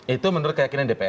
itu menurut keyakinan dpr